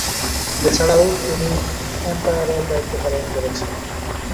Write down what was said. এছাড়াও তিনি আম্পায়ারের দায়িত্ব পালন করেছেন।